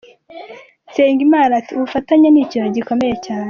Nsengimana ati “ Ubufatanye, ni ikintu gikomeye cyane.